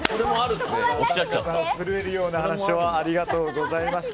震えるような話をありがとうございました。